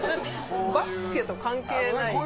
バスケと関係ない。